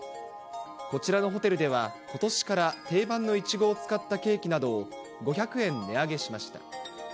こちらのホテルでは、ことしから定番のイチゴを使ったケーキなどを、５００円値上げしました。